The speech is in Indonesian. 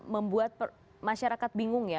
membuat masyarakat bingung ya